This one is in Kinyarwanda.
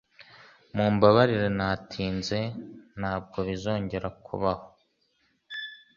Mumbabarire natinze. Ntabwo bizongera kubaho.